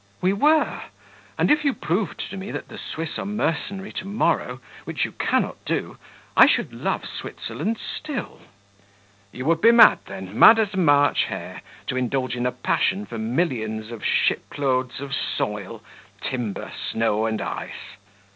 "We were and if you proved to me that the Swiss are mercenary to morrow (which you cannot do) I should love Switzerland still." "You would be mad, then mad as a March hare to indulge in a passion for millions of shiploads of soil, timber, snow, and ice."